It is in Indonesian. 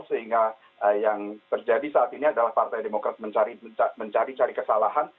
sehingga yang terjadi saat ini adalah partai demokrat mencari cari kesalahan